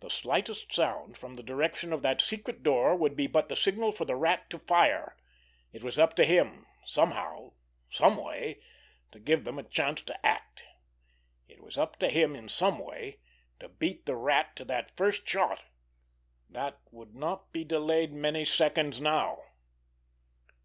The slightest sound from the direction of that secret door would be but the signal for the Rat to fire. It was up to him—somehow—some way—to give them a chance to act. It was up to him in some way to beat the Rat to that first shot, that would not be delayed many seconds now.